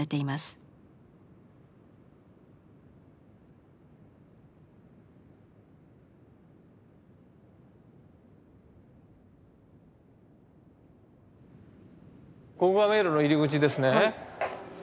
ここが迷路の入り口ですね。